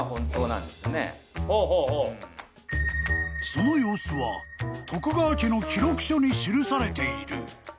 ［その様子は徳川家の記録書に記されている］